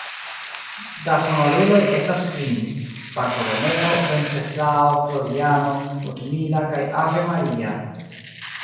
Da sonoriloj estas kvin: Bartolomeo, Venceslao, Floriano, Ludmila kaj Ave Maria.